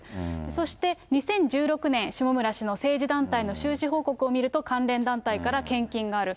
そして２０１６年、下村氏の政治団体の収支報告を見ると、関連団体から献金がある。